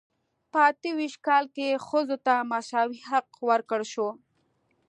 په اته ویشت کال کې ښځو ته مساوي حق ورکړل شو.